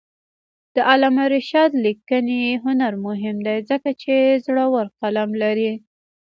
د علامه رشاد لیکنی هنر مهم دی ځکه چې زړور قلم لري.